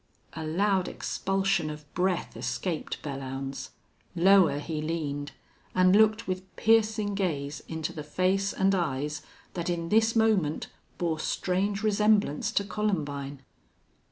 A loud expulsion of breath escaped Belllounds. Lower he leaned, and looked with piercing gaze into the face and eyes that in this moment bore strange resemblance to Columbine.